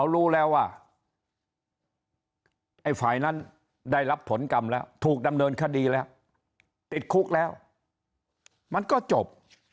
รู้แล้วว่าไอ้ฝ่ายนั้นได้รับผลกรรมแล้วถูกดำเนินคดีแล้วติดคุกแล้วมันก็จบ